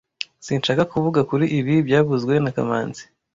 Sinshaka kuvuga kuri ibi byavuzwe na kamanzi